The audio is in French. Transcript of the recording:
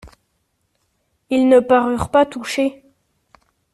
Ils ne parurent pas touchés.